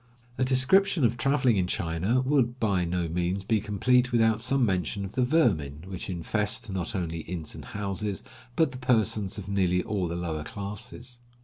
A description of traveling in China would by no means be complete without some mention of the vermin which infest, not only inns and houses, but the persons of nearly all the lower classes.